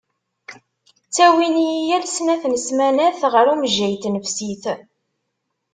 Ttawin-iyi yal snat n smanat ɣer umejjay n tnefsit.